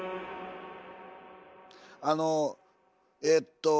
あのえっと。